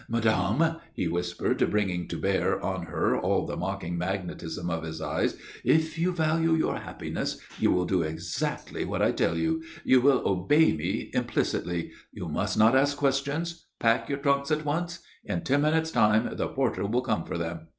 "Madame," he whispered, bringing to bear on her all the mocking magnetism of his eyes, "if you value your happiness you will do exactly what I tell you. You will obey me implicitly. You must not ask questions. Pack your trunks at once. In ten minutes' time the porter will come for them."